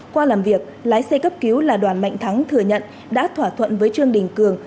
qua làm việc lái xe cấp cứu là đoàn mạnh thắng thừa nhận đã thỏa thuận với trương đình cường